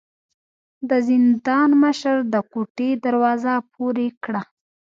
د زندان مشر د کوټې دروازه پورې کړه.